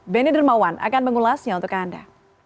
benny dermawan akan mengulasnya untuk anda